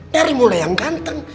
dari mulai yang ganteng